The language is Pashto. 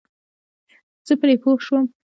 زه پرې پوه شوم.